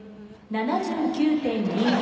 ７９．２４！